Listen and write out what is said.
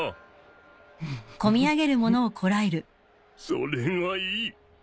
それがいい。